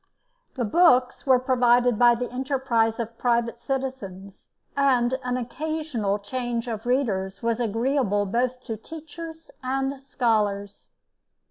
The books were provided by the enterprise of private citizens, and an occasional change of "Readers" was agreeable both to teachers and scholars.